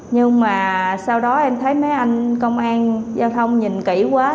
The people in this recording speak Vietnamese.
nhưng mà sau đó em thấy mấy anh công an giao thông nhìn kỹ quá